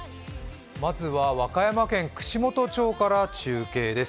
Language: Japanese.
まずは和歌山県串本町から中継です。